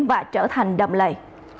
và trở thành đầm lầy